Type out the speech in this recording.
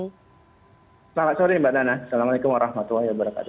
selamat sore mbak nana assalamualaikum warahmatullahi wabarakatuh